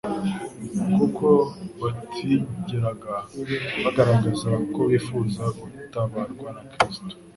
kuko batigeraga bagaragaza ko bifuza gutabarwa na Kristo;